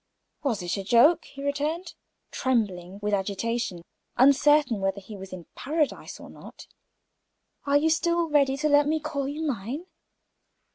"Was it a joke" he returned, trembling with agitation, uncertain whether he was in paradise or not. "Are you still ready to let me call you mine?"